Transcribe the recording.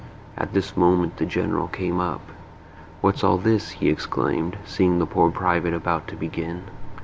At this moment the General came up. "What's all this?" he exclaimed, seeing the poor private about to begin.